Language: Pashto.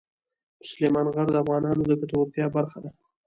سلیمان غر د افغانانو د ګټورتیا برخه ده.